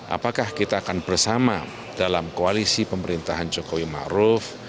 apakah kita akan bersama dalam koalisi pemerintahan jokowi maruf